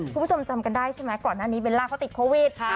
คุณผู้ชมจำกันได้ใช่ไหมก่อนหน้านี้เบลล่าเขาติดโควิด